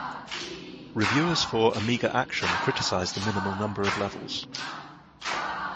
Reviewers for "Amiga Action" criticized the minimal number of levels.